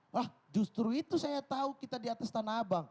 wah justru itu saya tahu kita di atas tanah abang